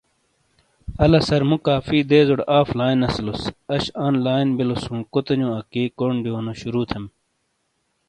الا سر مُو کافی دیزورے آف لائن اسلوس آش ان لاین بلو سو کوتے نیو اکی کونڈیونو شروع تھم